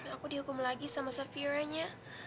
aku dihukum lagi sama surfiernya